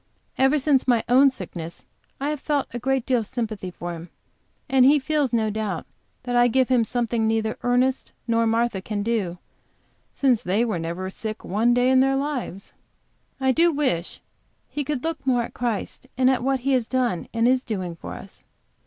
Ever since my own sickness I have felt great sympathy for him, and he feels, no doubt, that I give him something that neither Ernest nor Martha can do, since they were never sick one day in their lives. I do wish he could look more at Christ and at what He has done and is doing for us.